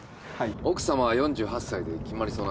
「奥様は４８歳」で決まりそうな感じだね。